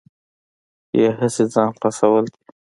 یا هسې ځان خلاصول دي.